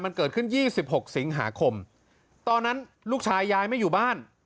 มันเกิดขึ้น๒๖สิงหาคมตอนนั้นลูกชายยายไม่อยู่บ้าน